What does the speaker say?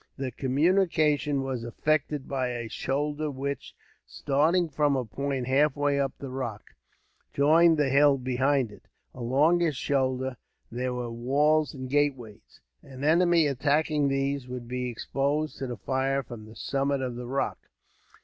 The communication was effected by a shoulder which, starting from a point halfway up the rock, joined the hill behind it. Along this shoulder were walls and gateways. An enemy attacking these would be exposed to the fire from the summit of the rock.